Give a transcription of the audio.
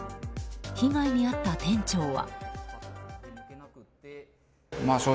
被害に遭った店長は。